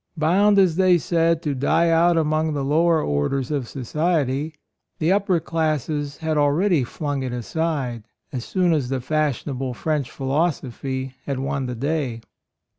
Bound, as they said, AND MOTHER. 9 to die out among the lower orders of society, the upper classes had already flung it aside, as soon as the fashionable French philosophy had won the day.